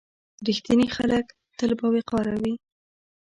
• رښتیني خلک تل باوقاره وي.